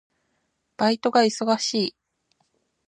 バイトが忙しい。